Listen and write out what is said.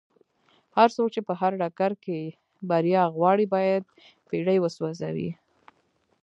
هرڅوک چې په هر ډګر کې بريا غواړي بايد بېړۍ وسوځوي.